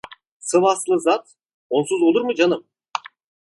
Sıvaslı zat: "Onsuz olur mu canım?"